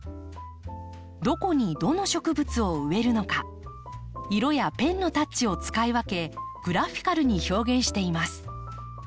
どこにどの植物を植えるのか色やペンのタッチを使い分けグラフィカルに表現しています。